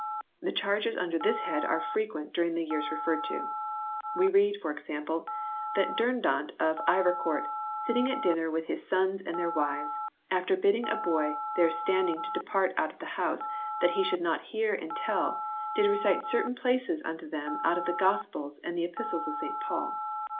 The charges under this head are frequent during the years referred to. We read, for example, that Durdant of Iver court "sitting at dinner with his sons and their wives, after bidding a boy there stand ing to depart out of the house, that he should not hear and tell, did recite certain places unto them out of the Gospels and the Epistles of St Paul."